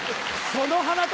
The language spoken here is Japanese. その花束。